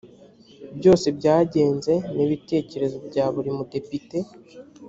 byose byagenze n ibitekerezo bya buri mudepite